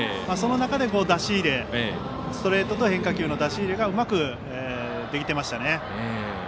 その中で、ストレートと変化球の出し入れがうまくできてましたね。